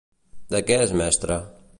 De què és mestra?